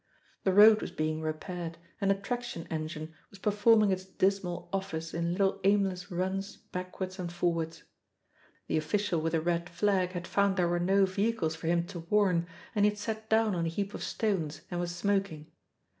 The road was being repaired, and a traction engine was performing its dismal office in little aimless runs backwards and forwards. The official with a red flag had found there were no vehicles for him to warn and he had sat down on a heap of stones, and was smoking.